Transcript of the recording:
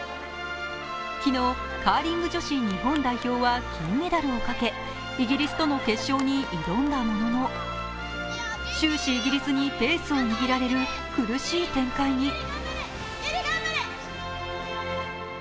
昨日、カーリング女子日本代表は金メダルをかけイギリスとの決勝に挑んだものの終始イギリスにペースを握られる苦しい展開に。